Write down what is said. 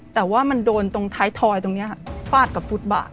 แต่ว่ามันโดนถ้ายถอยตรงเนี่ยฟาดกับฟุตบาก